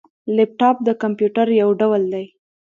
لیپټاپ د کمپيوټر یو ډول دی